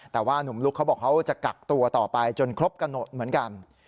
แต่ว่าหนุ่มลุกเขาบอกเขาจะกักตัวต่อไปจนครบกำหนดเหมือนกัน